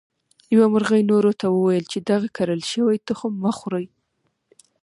یوه مرغۍ نورو ته وویل چې دغه کرل شوي تخم مه خورئ.